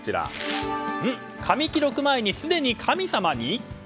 神記録前にすでに神様に？